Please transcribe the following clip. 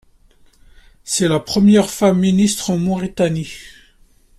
C'est la première femme ministre en Mauritanie.